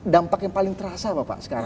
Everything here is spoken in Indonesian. dampak yang paling terasa bapak sekarang